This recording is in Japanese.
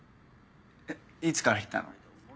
いつからいたの？